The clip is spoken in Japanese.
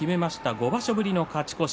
５場所ぶりの勝ち越し。